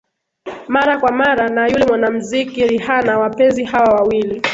mara kwa mara na yule mwanamziki rihana wapenzi hawa wawili